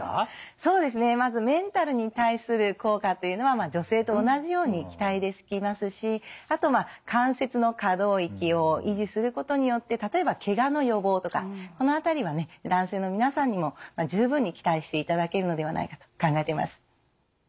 そうですねまずメンタルに対する効果というのは女性と同じように期待できますしあとまあ関節の可動域を維持することによって例えばケガの予防とかこの辺りはね男性の皆さんにも十分に期待していただけるのではないかと考えています。